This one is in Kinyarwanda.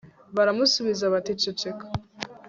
baramusubiza bati ceceka